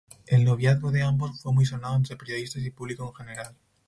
El noviazgo de ambos fue muy sonado entre periodistas y público en general.